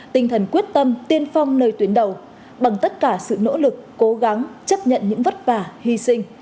tinh thần quyết tâm tiên phong nơi tuyến đầu bằng tất cả sự nỗ lực cố gắng chấp nhận những vất vả hy sinh